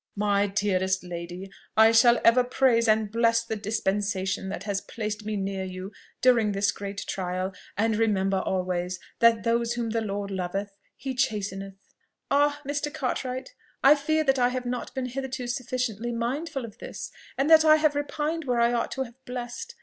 "My dearest lady! I shall ever praise and bless the dispensation that has placed me near you during this great trial; and remember always, that those whom the Lord loveth he chasteneth!" "Ah! Mr. Cartwright, I fear that I have not been hitherto sufficiently mindful of this, and that I have repined where I ought to have blessed.